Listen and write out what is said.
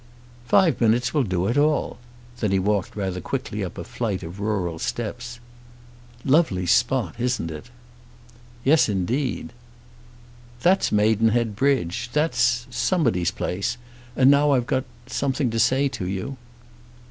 "Five minutes will do it all." Then he walked rather quickly up a flight of rural steps. "Lovely spot; isn't it?" "Yes, indeed." "That's Maidenhead Bridge; that's somebody's place; and now I've got something to say to you."